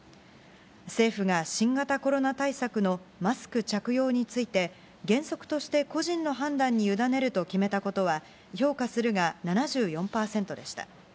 政府が新型コロナ対策のマスク着用について、原則として個人の判断に委ねると決めたことは、評価するが７４％でした。